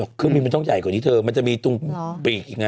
เครื่องบินมันต้องใหญ่กว่านี้เธอมันจะมีตรงปีกอีกไง